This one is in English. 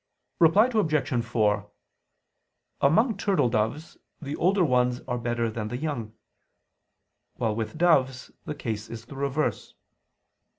Reply Obj. 4: Among turtledoves the older ones are better than the young; while with doves the case is the reverse.